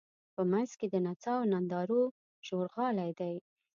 په منځ کې د نڅا او نندارو ژورغالی دی.